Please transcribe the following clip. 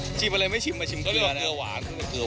นอกจากเกลือแล้วทีเด็ดก็คือเครื่องแกงฝั่งใต้